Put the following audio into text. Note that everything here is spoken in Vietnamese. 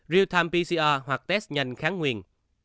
real time pcr hoặc test nhanh kháng nguyên